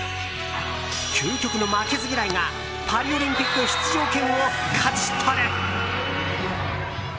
究極の負けず嫌いがパリオリンピック出場権を勝ち取る。